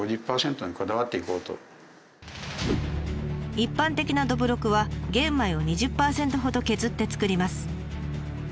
一般的などぶろくは玄米を２０％ほど削って造ります。